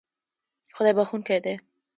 خدای بښونکی دی